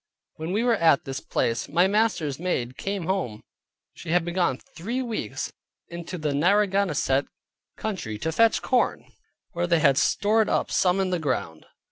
When we were at this place, my master's maid came home; she had been gone three weeks into the Narragansett country to fetch corn, where they had stored up some in the ground.